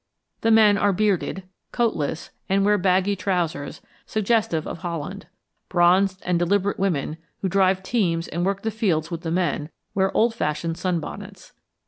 The men are bearded, coatless, and wear baggy trousers, suggestive of Holland. Bronzed and deliberate women, who drive teams and work the fields with the men, wear old fashioned sunbonnets.